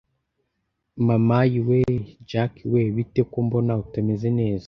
mama ayiweee! jack wee bite ko mbona utameze neza